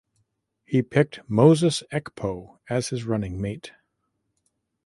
He picked Moses Ekpo as his running mate.